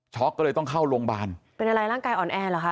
ก็เลยต้องเข้าโรงพยาบาลเป็นอะไรร่างกายอ่อนแอเหรอคะ